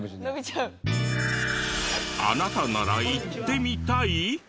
あなたなら行ってみたい？